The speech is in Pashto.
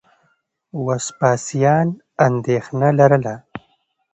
وسپاسیان اندېښنه لرله.